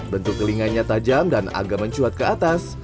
bentuk telinganya tajam dan agak mencuat ke atas